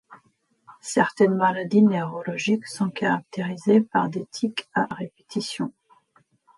Certaines maladies neurologiques sont caractérisées par des tics à répétition.